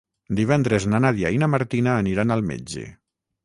Divendres na Nàdia i na Martina aniran al metge.